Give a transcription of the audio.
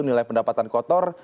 nilai pendapatan kotor